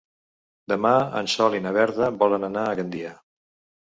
Demà en Sol i na Berta volen anar a Gandia.